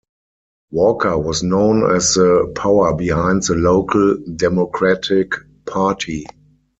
Walker was known as the power behind the local Democratic Party.